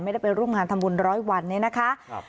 ไม่ได้ไปรุงงานธรรมบุญร้อยวันเนี่ยนะคะ